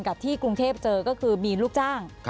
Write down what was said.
กับที่กรุงเทพเจอก็คือมีลูกจ้าง